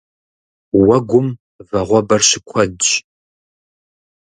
Уэгум вагъуэбэр щыкуэдщ.